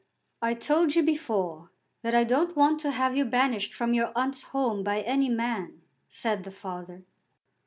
"I told you before that I don't want to have you banished from your aunt's home by any man," said the father.